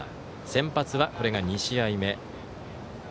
先発はこれが２試合目。